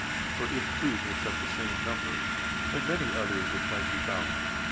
for it too makes up the same number; and many others which might be found.